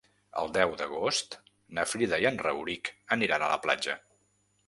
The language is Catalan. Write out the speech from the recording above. El deu d'agost na Frida i en Rauric aniran a la platja.